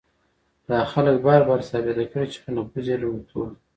دا خلک بار بار ثابته کړې چې نفوذ یې لومړیتوب دی.